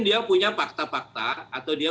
dia punya fakta fakta atau dia